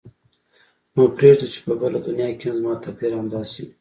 نو پرېږده چې په بله دنیا کې هم زما تقدیر همداسې وي.